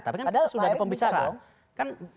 tapi kan kita sudah ada pembicaraan